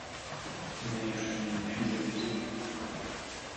Mais je ne puis abuser…